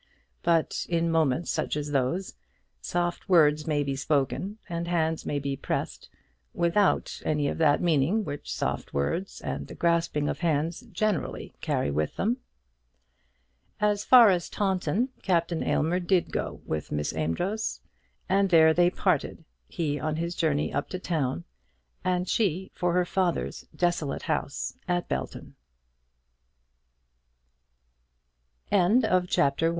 But in moments such as those, soft words may be spoken and hands may be pressed without any of that meaning which soft words and the grasping of hands generally carry with them. As far as Taunton Captain Aylmer did go with Miss Amedroz, and there they parted, he on his journey up to town, and she for her father's desolate house at Belton. CHAPTER II.